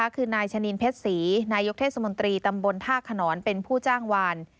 คือนายชะนินเพชรศรีนายกเทศมนตรีตำบลท่าขนอนเป็นผู้จ้างวาน